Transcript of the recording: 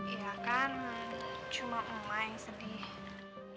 iya kan cuma emak yang sedih